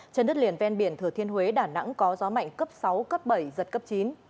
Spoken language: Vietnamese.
trên đất liền ven biển thừa thiên huế đà nẵng có gió mạnh cấp sáu cấp bảy giật cấp chín